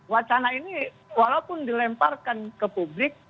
wacana ini walaupun dilemparkan ke publik